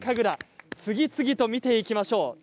楽、次々と見ていきましょう。